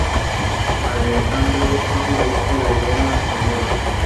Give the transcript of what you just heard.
Vive cerca de las costas norteamericanas del Atlántico Norte, desde Nueva Escocia hasta Florida.